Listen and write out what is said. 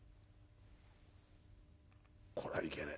「これはいけねえ。